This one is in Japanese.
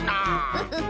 フフフ。